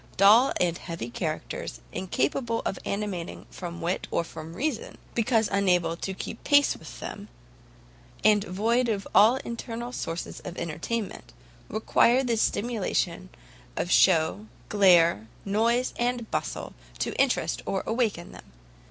Dull and heavy characters, incapable of animating from wit or from reason, because unable to keep pace with them, and void of all internal sources of entertainment, require the stimulation of shew, glare, noise, and bustle, to interest or awaken them.